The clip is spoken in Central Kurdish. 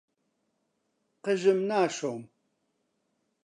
قژم ناشۆم.